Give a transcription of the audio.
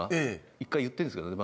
１回言ってんですけどね